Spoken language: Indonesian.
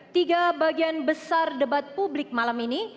tiga bagian besar debat publik malam ini